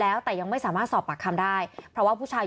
แล้วแต่ยังไม่สามารถสอบปากคำได้เพราะว่าผู้ชาย